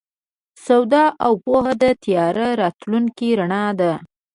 سواد او پوهه د تیاره راتلونکي رڼا ده.